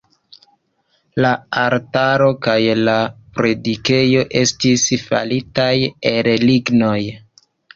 La altaro kaj la predikejo estis faritaj el lignoj.